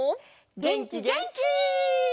げんきげんき！